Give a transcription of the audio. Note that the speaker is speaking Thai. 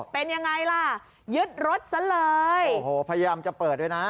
เป็นยังไงล่ะยึดรถซะเลยโอ้โหพยายามจะเปิดด้วยนะ